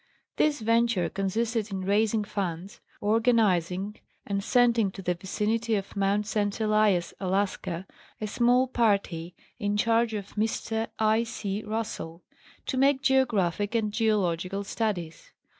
This venture consisted in raising funds, organizing and sending to the vicinity of Mt. St. Elias, Alaska, a small party in charge of Mr. I. C. Russell to make geographic and geologic studies.